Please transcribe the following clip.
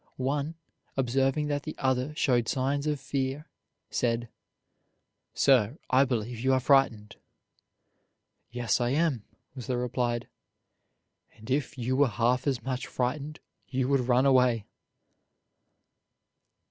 One, observing that the other showed signs of fear, said, "Sir, I believe you are frightened." "Yes, I am," was the reply, "and if you were half as much frightened, you would run away."